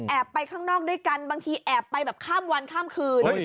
ไปข้างนอกด้วยกันบางทีแอบไปแบบข้ามวันข้ามคืน